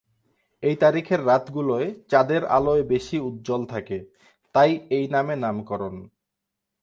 এই তারিখের রাতগুলোয় চাঁদের আলোয় বেশি উজ্জ্বল থাকে; তাই এই নামে নামকরণ।